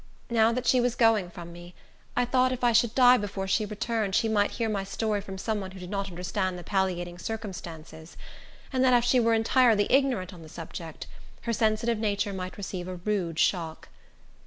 Now that she was going from me, I thought if I should die before she returned, she might hear my story from some one who did not understand the palliating circumstances; and that if she were entirely ignorant on the subject, her sensitive nature might receive a rude shock.